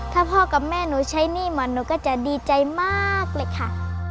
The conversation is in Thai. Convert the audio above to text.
ถ้าพ่อกับแม่หนูใช้หนี้หมดหนูก็จะดีใจมากเลยค่ะ